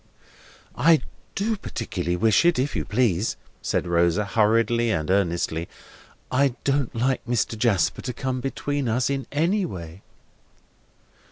"I do particularly wish it, if you please," said Rosa, hurriedly and earnestly; "I don't like Mr. Jasper to come between us, in any way."